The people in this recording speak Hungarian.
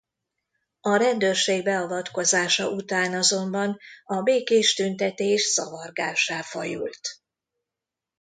A rendőrség beavatkozása után azonban a békés tüntetés zavargássá fajult.